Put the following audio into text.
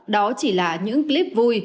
đó chỉ là những clip vui